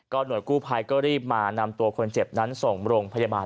หน่วยกู้ภัยก็รีบมานำตัวคนเจ็บนั้นส่งโรงพยาบาล